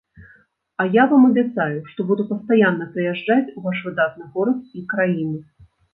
А я вам абяцаю, што буду пастаянна прыязджаць у ваш выдатны горад і краіну.